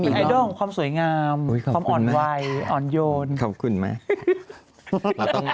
พี่ม่าสวยจังไม่สวยละตอนนี้โม่ม